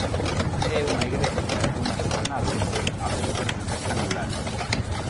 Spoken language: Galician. É unha igrexa dunha soa nave e ábsidas rectangulares.